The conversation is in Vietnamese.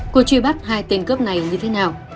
cuộc truy bắt hai tên cướp này như thế nào